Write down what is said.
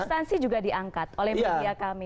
substansi juga diangkat oleh media kami